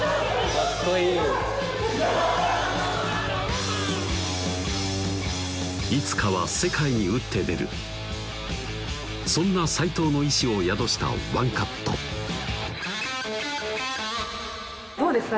かっこいいいつかは世界に打って出るそんな齋藤の意志を宿したワンカットどうですか？